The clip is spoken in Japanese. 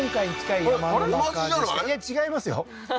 いや違いますよははは